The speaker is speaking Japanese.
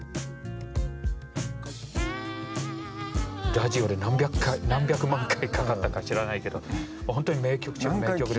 ラジオで何百回何百万回かかったか知らないけど本当に名曲中の名曲ですよね。